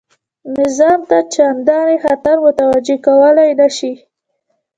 نظام ته چنداني خطر متوجه کولای نه شي.